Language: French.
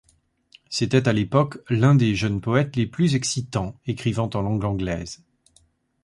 C’était à l’époque l’un des jeunes poètes les plus excitants écrivant en langue anglaise.